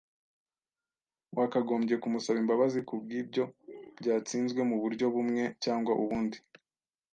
Wakagombye kumusaba imbabazi kubwibyo byatsinzwe muburyo bumwe cyangwa ubundi.